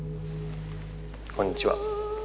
こんにちは。